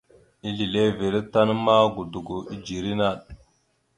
Izleveré tan ma godogo idzeré naɗ.